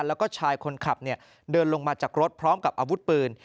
แล้วก็ชายคนขับเดินลงมาจากรถพร้อมกับอาวุธปืน